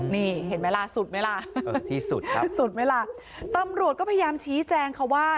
นี่เห็นไหมล่ะสุดไหมล่ะสุดไหมล่ะตำรวจก็พยายามชี้แจงเขาว่า